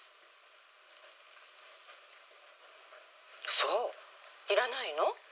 そういらないの？